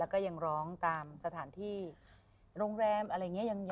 ก็ยังร้องตามสถานที่โรงแรมอะไรเงี้ย